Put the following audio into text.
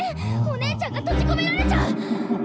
お姉ちゃんが閉じこめられちゃう！